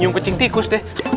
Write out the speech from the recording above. nyum ke cing tikus deh